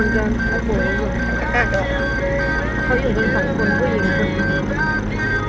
สวัสดีครับที่ได้รับความรักของคุณ